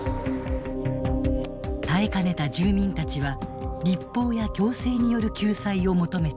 耐えかねた住民たちは立法や行政による救済を求めた。